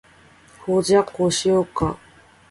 ほーじゃ、こうしようか？